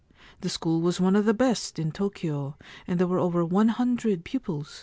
The school was one of the best in Tokio, and there were over 100 pupils.